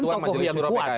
nah itu kan tokoh yang kuat